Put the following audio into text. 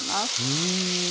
うん。